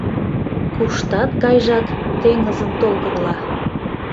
Куштат гайжак, теҥызын толкынла